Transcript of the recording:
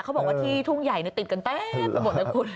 เขาบอกว่าที่ทุ่งใหญ่ติดกันแป๊บหมดแล้วคุณ